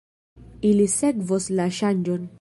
Ili sekvos la ŝanĝon.